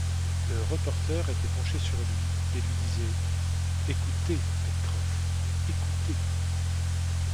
Le reporter était penché sur lui, et lui disait: « Écoutez, Pencroff, écoutez!